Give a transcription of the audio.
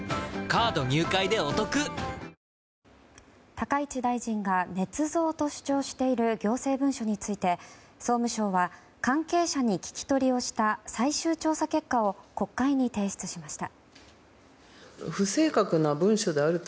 高市大臣が、ねつ造と主張している行政文書について総務省は関係者に聞き取りをした最終調査結果を国会に提出しました。